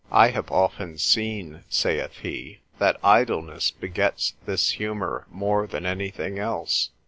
I have often seen (saith he) that idleness begets this humour more than anything else.